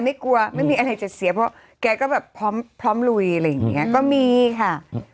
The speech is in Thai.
ไม่กลัวไม่มีอะไรจะเสียเพราะแกก็แบบพร้อมพร้อมลุยอะไรอย่างเงี้ยก็มีค่ะ